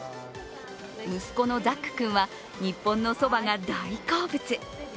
息子のザックくんは日本のそばが大好物。